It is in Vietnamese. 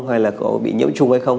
hay là có bị nhiễm trùng hay không